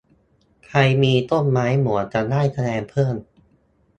ใครมีต้นไม้เหมือนจะได้คะแนนเพิ่ม